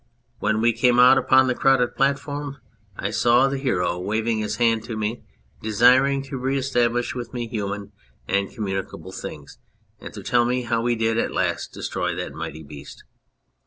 When we came out upon the crowded platform I saw him, the Hero, waving his hand to me, desiring to re establish with me human and communicable things and to tell me how he did at last destroy that mighty beast.